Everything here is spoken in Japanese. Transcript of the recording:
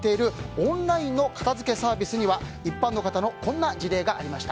オンラインの片付けサービスには一般の方のこんな事例がありました。